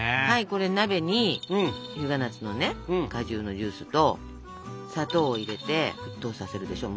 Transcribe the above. これ鍋に日向夏の果汁のジュースと砂糖を入れて沸騰させるでしょ。